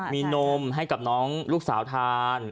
มีนมให้กับน้องลูกสาวทาน